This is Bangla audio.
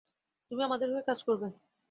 তুমি আমাদের হয়ে কাজ করবে।